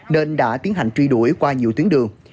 nên đã tiến hành truy đuổi qua nhiều tuyến đường